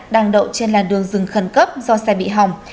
đang đậu trên làn đường rừng khẩn cấp do xe bị hỏng